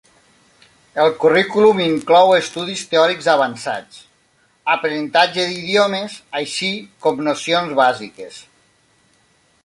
El currículum inclou estudis teòrics avançats, aprenentatge d'idiomes així com nocions bàsiques.